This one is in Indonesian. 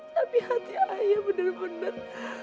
tapi hati ayah bener bener